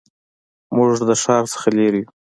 موږ د ښار څخه لرې یو